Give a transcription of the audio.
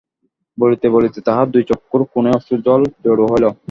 বলিতে বলিতে তাঁহার দুই চক্ষুর কোণে অশ্রুজল জড়ো হইল।